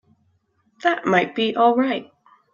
That might be all right.